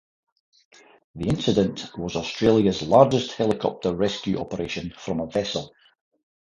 The incident was Australia's largest helicopter rescue operation from a vessel.